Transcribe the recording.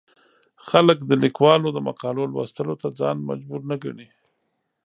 خلک د ليکوالو د مقالو لوستلو ته ځان مجبور نه ګڼي.